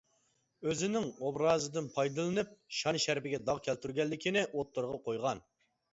ئۆزىنىڭ ئوبرازىدىن پايدىلىنىپ، شان-شەرىپىگە داغ كەلتۈرگەنلىكىنى ئوتتۇرىغا قويغان.